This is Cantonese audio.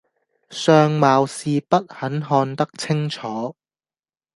相貌是不很看得清楚，